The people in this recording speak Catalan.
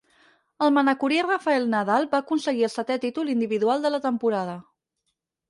El manacorí Rafael Nadal va aconseguir el setè títol individual de la temporada.